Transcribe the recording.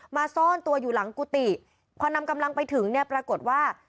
ซ่อนตัวอยู่หลังกุฏิพอนำกำลังไปถึงเนี่ยปรากฏว่า